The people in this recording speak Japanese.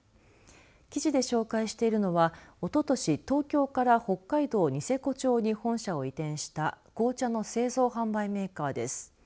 記事で紹介しているのはおととし東京から北海道ニセコ町に本社を移転した紅茶の製造販売メーカーです。